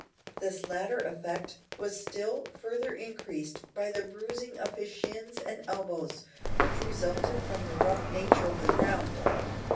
This latter effect was still further increased by the bruising of his shins and elbows, which resulted from the rough nature of the ground.